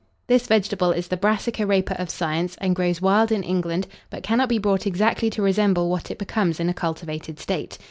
This vegetable is the Brassica Rapa of science, and grows wild in England, but cannot be brought exactly to resemble what it becomes in a cultivated state.